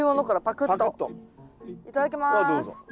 いただきます。